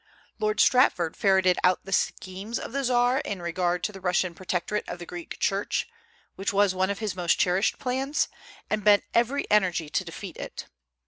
Lord Stratford ferreted out the schemes of the Czar in regard to the Russian protectorate of the Greek Church, which was one of his most cherished plans, and bent every energy to defeat it.